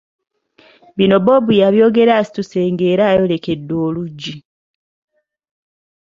Bino Bob yabyogera asituse ng’era ayolekedde oluggi.